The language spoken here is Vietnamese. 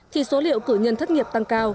thì số liệu cử nhân thất nghiệp tăng cao